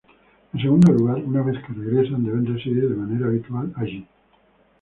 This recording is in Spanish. En segundo lugar, una vez que regresan deben residir de manera habitual allí.